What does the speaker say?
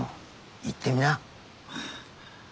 言ってみな。